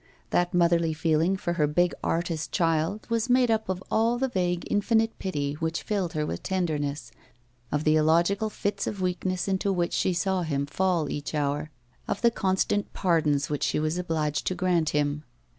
That motherly feeling for her big artist child was made up of all the vague infinite pity which filled her with tenderness, of the illogical fits of weakness into which she saw him fall each hour, of the constant pardons which she was obliged to grant him.